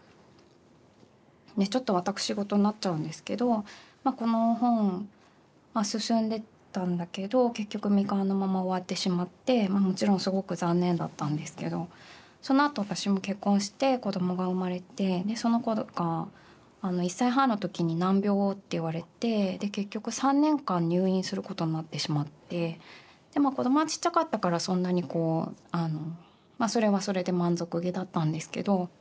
でちょっとわたくしごとになっちゃうんですけどこの本進んでたんだけど結局未完のまま終わってしまってもちろんすごく残念だったんですけどそのあと私も結婚して子どもが生まれてその子が１歳半の時に難病をって言われて結局３年間入院することになってしまってでまあ子どもはちっちゃかったからそんなにこうあのまあそれはそれで満足げだったんですけど。